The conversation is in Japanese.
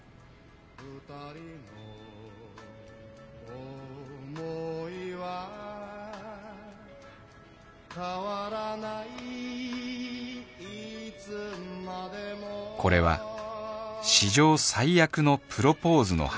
『君といつまでも』これは史上最悪のプロポーズの話